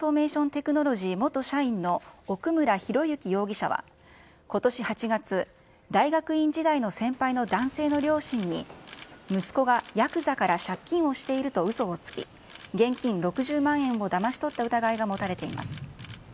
テクノロジー元社員の奥村啓志容疑者はことし８月、大学院時代の先輩の男性の両親に、息子がやくざから借金をしているとうそをつき、現金６０万円をだまし取った疑いが持たれています。